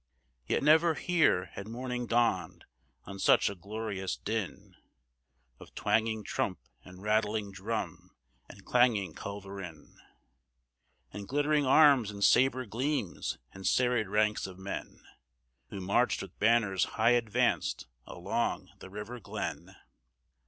Yet never, here, had morning dawned on such a glorious din Of twanging trump, and rattling drum, and clanging culverin, And glittering arms and sabre gleams and serried ranks of men, Who marched with banners high advanced along the river glen.